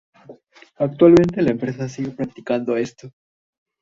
Actualmente la empresa sigue practicando esto.